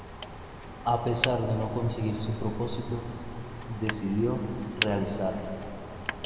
A pesar de no conseguir su propósito, decidió realizarla.